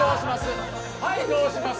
はいどうします？